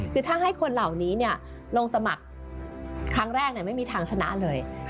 คือถ้าให้คนเหล่านี้ลงสมัครครั้งแรกไม่มีทางชนะเลย